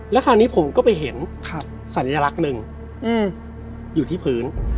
แล้วคราวนี้ผมก็ไปเห็นสัญลักษณ์หนึ่งอยู่ที่พื้น